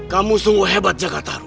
kamu sungguh hebat jakartaru